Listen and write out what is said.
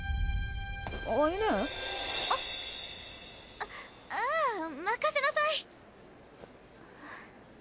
ああぁ任せなさい。